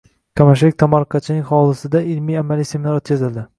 Qamashilik tomorqachining hovlisida ilmiy-amaliy seminar o‘tkazildi